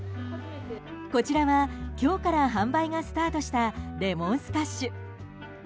こちらは今日から販売がスタートしたレモンスカッシュ。